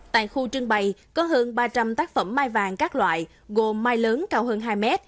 tại khu trưng bày có hơn ba trăm linh tác phẩm mai vàng các loại gồm mai lớn cao hơn hai m